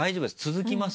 続きます？